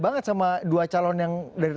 banget sama dua calon yang dari